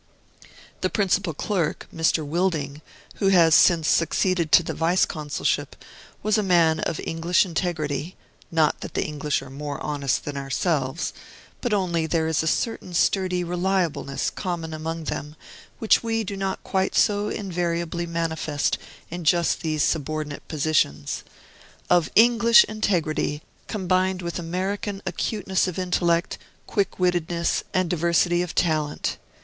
The principal clerk, Mr. Wilding, who has since succeeded to the Vice Consulship, was a man of English integrity, not that the English are more honest than ourselves, but only there is a certain sturdy reliableness common among them, which we do not quite so invariably manifest in just these subordinate positions, of English integrity, combined with American acuteness of intellect, quick wittedness, and diversity of talent.